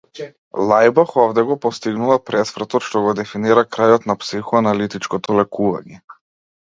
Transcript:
Лајбах овде го постигнува пресвртот што го дефинира крајот на психоаналитичкото лекување.